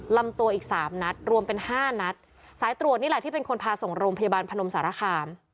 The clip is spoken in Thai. ลำตัวอีกสามนัดรวมเป็นห้านัดสายตรวจนี่แหละที่เป็นคนพาส่งโรงพยาบาลพนมสารคาม